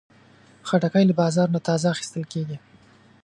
خټکی له بازار نه تازه اخیستل کېږي.